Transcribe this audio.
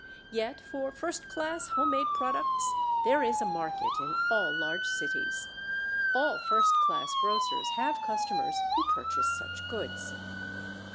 Yet for first class homemade products there is a market in all large cities. All first class grocers have customers who purchase such goods.